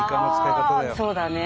そうだね。